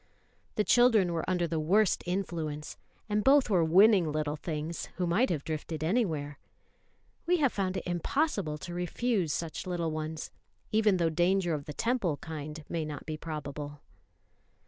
The children were under the worst influence; and both were winning little things, who might have drifted anywhere. We have found it impossible to refuse such little ones, even though danger of the Temple kind may not be probable.